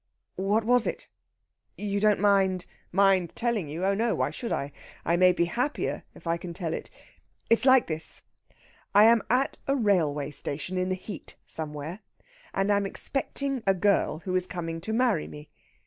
"What was it? You don't mind...." "Mind telling you? Oh no! why should I? I may be happier if I can tell it. It's like this. I am at a railway station in the heat somewhere, and am expecting a girl who is coming to marry me.